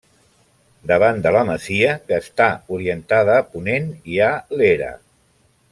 Davant de la masia, que està orientada a ponent, hi ha l'era.